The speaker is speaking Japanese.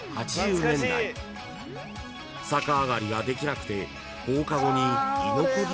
［逆上がりができなくて］